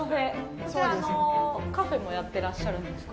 こちらはカフェもやってらっしゃるんですか？